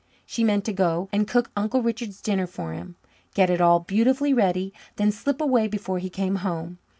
She meant to go and cook Uncle Richard's dinner for him, get it all beautifully ready, then slip away before he came home.